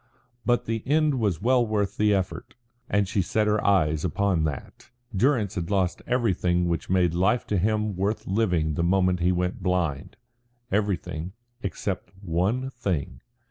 But the end was well worth the effort, and she set her eyes upon that. Durrance had lost everything which made life to him worth living the moment he went blind everything, except one thing.